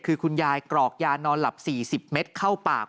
คือคุณยายกรอกยานอนหลับ๔๐เมตรเข้าปาก